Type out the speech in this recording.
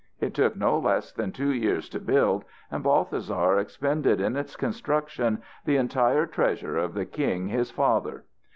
It took no less than two years to build, and Balthasar expended in its construction the entire treasure of the king, his father.